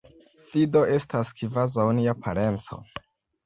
Vi do estas kvazaŭ nia parenco.